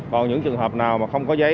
còn những trường hợp nào mà không có giấy